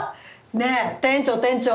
ねえ店長店長！